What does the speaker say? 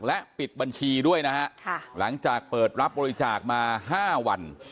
และปิดบัญชีด้วยนะฮะหลังจากเปิดรับบริจาคมา๕วัน